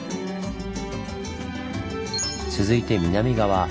続いて南側。